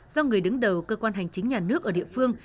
do người đứng đầu cơ quan hành chính nhà nước ở địa phương